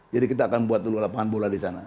jadi kita akan buat dulu lapangan bola di sana